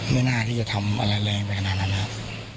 ไม่น่าที่จะทำอะไรแรงไปขนาดนั้นนะครับ